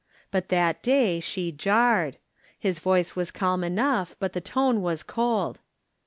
But that day she jarred. His voice was calm enough, but the tone was cold.